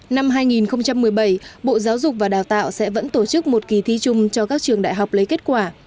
năm hai nghìn một mươi bảy bộ giáo dục và đào tạo sẽ vẫn tổ chức một kỳ thi chung cho các trường đại học lấy kết quả